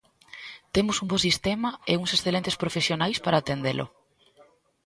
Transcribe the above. Temos un bo sistema e uns excelentes profesionais para atendelo.